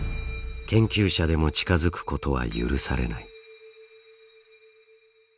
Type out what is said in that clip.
研究者でも近づくことは許されない。